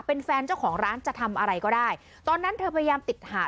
เป็นแฟนเจ้าของร้านจะทำอะไรก็ได้ตอนนั้นเธอพยายามติดหา